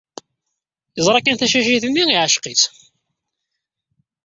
Yeẓra kan tacict-nni, iɛceq-itt.